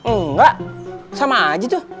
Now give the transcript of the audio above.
engga sama aja tuh